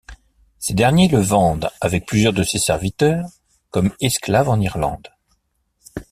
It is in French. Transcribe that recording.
Ces derniers le vendent, avec plusieurs de ses serviteurs, comme esclave en Irlande.